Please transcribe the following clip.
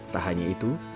tak hanya itu